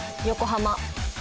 横浜。